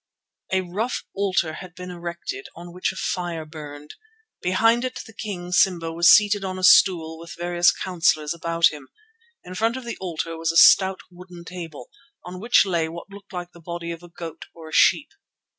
A rough altar had been erected, on which a fire burned. Behind it the king, Simba, was seated on a stool with various councillors about him. In front of the altar was a stout wooden table, on which lay what looked like the body of a goat or a sheep.